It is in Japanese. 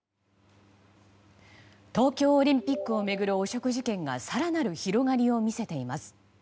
東京オリンピックを巡る汚職事件が更なる広がりを見せています。